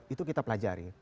itu kita pelajari